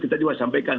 kita juga sampaikan